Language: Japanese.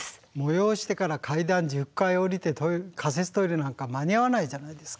催してから階段１０階下りて仮設トイレなんか間に合わないじゃないですか。